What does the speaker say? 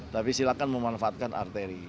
tapi silakan memanfaatkan arteri